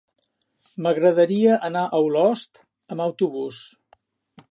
M'agradaria anar a Olost amb autobús.